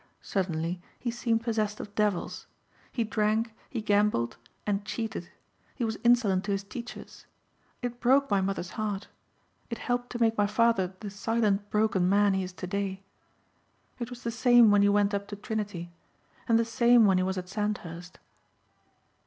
Suddenly he seemed possessed of devils. He drank, he gambled and cheated he was insolent to his teachers. It broke my mother's heart. It helped to make my father the silent broken man he is today. It was the same when he went up to Trinity and the same when he was at Sandhurst...."